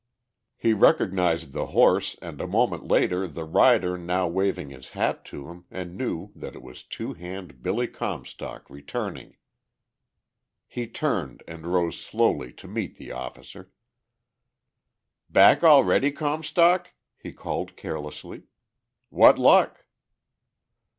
He recognized the horse and a moment later the rider now waving his hat to him, and knew that it was Two Hand Billy Comstock returning. He turned and rode slowly to meet the officer. "Back already, Comstock?" he called carelessly. "What luck?"